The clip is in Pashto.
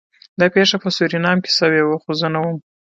دا پیښه په سورینام کې شوې وه خو زه نه وم